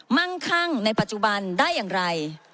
มั่งคั่งในปัจจุบันได้อย่างไร